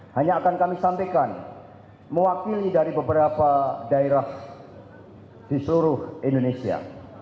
hanya akan kami sampaikan mewakili dari beberapa daerah di seluruh indonesia